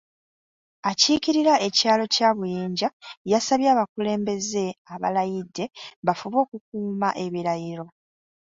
Akiikirira ekyalo kya Buyinja yasabye abakulembeze abalayidde bafube okukuuma ebirayiro.